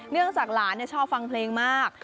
เนื่องจากหลานชอบฟังเพลงมาก